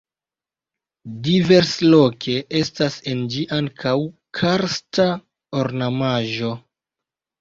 Diversloke estas en ĝi ankaŭ karsta ornamaĵo.